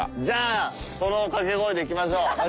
じゃあその掛け声でいきましょう。